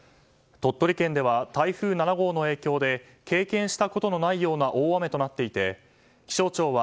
鳥取県では台風７号の影響で経験したことのないような大雨となっていて気象庁は